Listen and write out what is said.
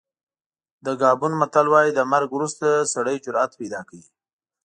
د ګابون متل وایي د مرګ وروسته سړی جرأت پیدا کوي.